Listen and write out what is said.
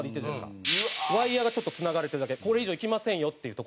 ワイヤがちょっとつながれてるだけこれ以上いきませんよっていう。